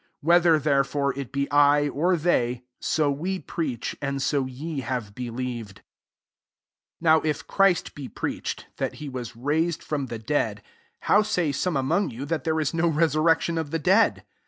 11 Whether* therefore ii be I, or they, so we preach, and so ye have believed* 15 Now if Christ be preach ed, that he was raised from ther dead, how saj some among you that there is no resurrection of the dead?